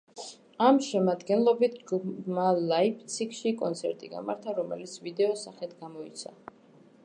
ამ შემადგენლობით ჯგუფმა ლაიფციგში კონცერტი გამართა, რომელიც ვიდეოს სახით გამოიცა.